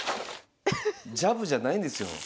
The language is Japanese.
ジャブじゃないんですよ。